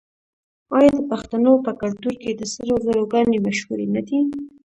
آیا د پښتنو په کلتور کې د سرو زرو ګاڼې مشهورې نه دي؟